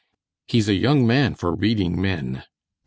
He's a young man for reading men."